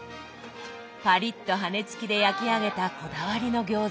パリッと羽根つきで焼き上げたこだわりの餃子。